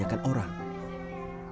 di mana terdapat kebanyakan orang